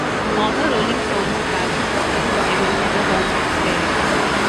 Former Rolling Stones bassist Bill Wyman has a home there.